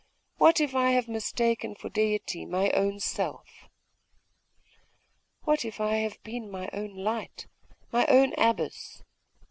What if I have mistaken for Deity my own self? What if I have been my own light, my own abyss?....